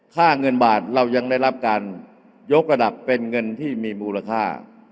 ค่าเงินบาทเรายังได้รับการยกระดับเป็นเงินที่มีมูลค่า